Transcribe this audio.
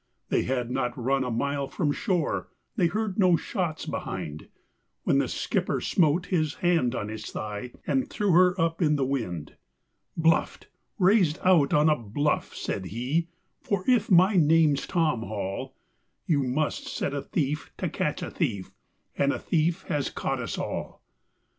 They had not run a mile from shore they heard no shots behind When the skipper smote his hand on his thigh and threw her up in the wind: "Bluffed raised out on a bluff," said he, "for if my name's Tom Hall, You must set a thief to catch a thief and a thief has caught us all!